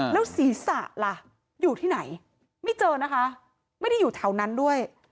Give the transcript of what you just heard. แล้วศีรษะล่ะอยู่ที่ไหนไม่เจอนะคะไม่ได้อยู่แถวนั้นด้วย